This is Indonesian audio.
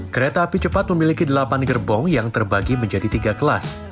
kereta api cepat memiliki delapan gerbong yang terbagi menjadi tiga kelas